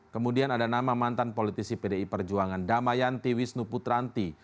kemudian ada nama mantan politisi pdi perjuangan damayanti wisnu putranti